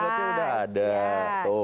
zenggotnya udah ada